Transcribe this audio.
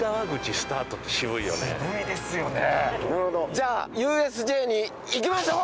じゃあＵＳＪに行きましょう！